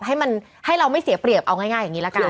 ให้มันให้เราไม่เสียเปรียบเอาง่ายอย่างนี้ละกัน